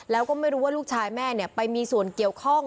แล้วก็ไม่รู้ว่าลูกชายแม่ไปมีส่วนเกี่ยวข้อง